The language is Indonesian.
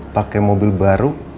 pake mobil baru